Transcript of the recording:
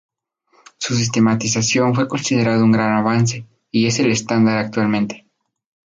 Su sistematización fue considerado un gran avance y es el estándar actualmente.